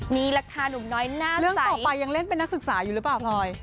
นี่แหละค่ะหนุ่มน้อยหน้าเรื่องต่อไปยังเล่นเป็นนักศึกษาอยู่หรือเปล่าพลอย